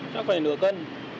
chắc phải nửa cân